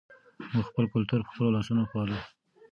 موږ خپل کلتور په خپلو لاسونو پالو.